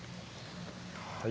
はい。